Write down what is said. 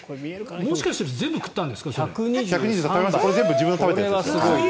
もしかして全部食べたんですか？